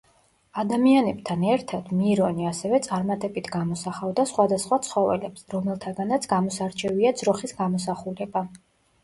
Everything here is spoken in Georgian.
ადამიანებთან ერთად, მირონი, ასევე წარმატებით გამოსახავდა სხვადასხვა ცხოველებს, რომელთაგანაც გამოსარჩევია „ძროხის“ გამოსახულება.